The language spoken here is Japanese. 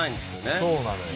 そうなのよ。